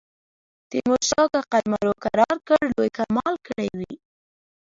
تیمورشاه که قلمرو کرار کړ لوی کمال کړی وي.